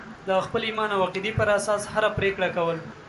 د خپل ایمان او عقیدې پر اساس هره پرېکړه کول.